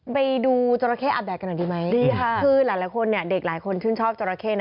ไปดูจัตรแคนอาบแดดขนาดนี้ได้ไหมคือหลายคนเด็กหลายคนชอบจัตรแคนนะ